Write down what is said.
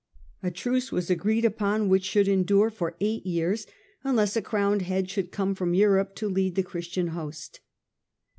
A truce was agreed upon which should endure for eight years, unless a crowned head should come from Europe to lead the Christian host.